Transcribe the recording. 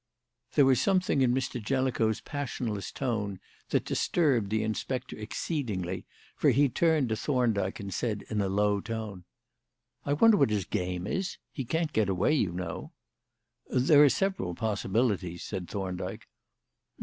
There was something in Mr. Jellicoe's passionless tone that disturbed the inspector exceedingly, for he turned to Thorndyke and said in a low tone: "I wonder what his game is? He can't get away, you know." "There are several possibilities," said Thorndyke.